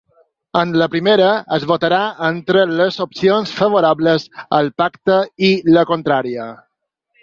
En la primera, es votarà entre les opcions favorables al pacte i la contrària.